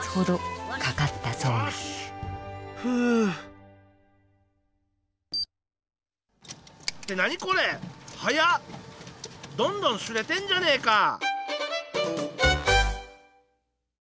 どんどん刷れてんじゃねえか！